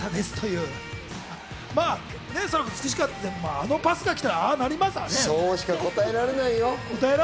あのパスが来たら、ああなりますよね。